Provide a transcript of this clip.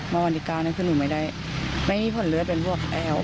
วันดิกานั้นคือหนูไม่ได้ไม่มีผลเลือดเป็นพวกแอ๋ว